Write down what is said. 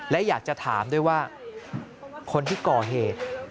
และอยากจะถามด้วยว่าคนที่ก่อเหตุ